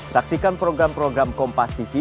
saksikan program program kompas tv